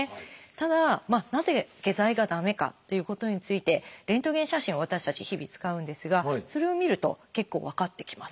ただなぜ下剤が駄目かっていうことについてレントゲン写真を私たち日々使うんですがそれを見ると結構分かってきます。